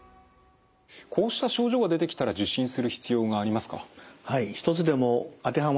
こうした症状が出てきたら受診する必要がありますか？